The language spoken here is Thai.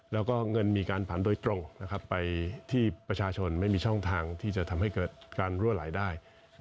แล้วก็เงินมีการผันโดยตรงไปที่ประชาชนไม่มีช่องทางที่จะทำให้เกิดการรั่วไหลได้